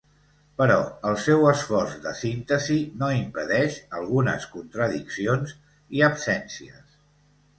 Però el seu esforç de síntesi no impedeix algunes contradiccions i absències.